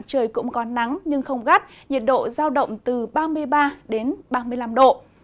trời cũng có nắng nhưng không gắt nhiệt độ giao động từ ba mươi ba đến ba mươi năm độ